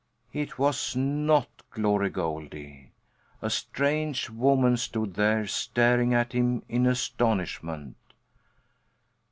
It was not Glory Goldie! A strange woman stood there, staring at him in astonishment.